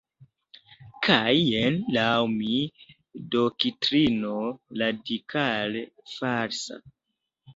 Kaj jen, laŭ mi, doktrino radikale falsa"".